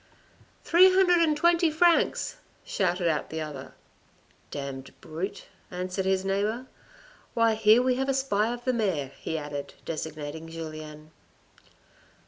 " Three hundred and twenty francs," shouted out the other. " Damned brute," answered his neighbour. " Why here we have a spy of the mayor," he added, designating Julien.